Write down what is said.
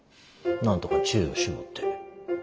なんとか知恵を絞って。